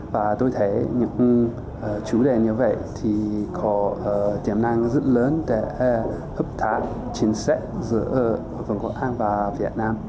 và tôi thấy những chủ đề như vậy thì có tiềm năng rất lớn để hấp thẳng chính xác giữa vương quốc anh và việt nam